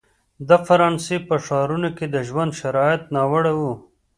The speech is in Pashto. د فرانسې په ښارونو کې د ژوند شرایط ناوړه وو.